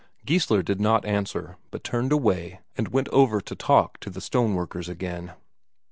Geissler did not answer, but turned away, and went over to talk to the stoneworkers again.